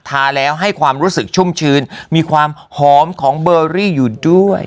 ทาแล้วให้ความรู้สึกชุ่มชื้นมีความหอมของเบอรี่อยู่ด้วย